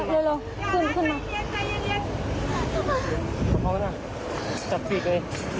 สวัสดีครับ